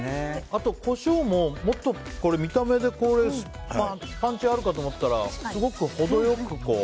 あと、コショウも見た目でパンチあるかと思ったらすごく程良く。